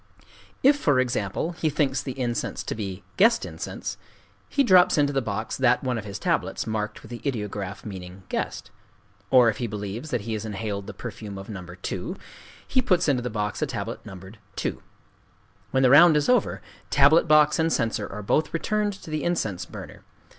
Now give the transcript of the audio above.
If, for example, he thinks the incense to be "guest incense," he drops into the box that one of his tablets marked with the ideograph meaning "guest;" or if he believes that he has inhaled the perfume of No. 2, he puts into the box a tablet numbered "2." When the round is over, tablet box and censer are both returned to the incense burner.